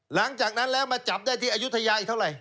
หลังจากนั้นแล้วมาจับได้ที่อายุทยาอีกเท่าไหร